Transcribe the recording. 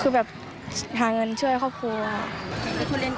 คุณเรียนเก่งด้วยใช่ไหมครับใช่ครับ